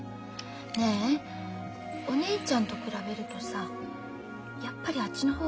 ねえお姉ちゃんと比べるとさやっぱりあっちの方が守りたい？